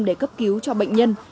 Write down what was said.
để cấp cứu cho bệnh nhân